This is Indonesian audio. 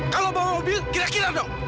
kalau bawa mobil kira kira dong